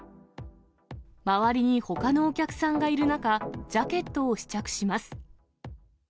周りにほかのお客さんがいる中、ジャケットを試着します。